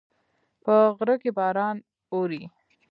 په غره کې باران اوري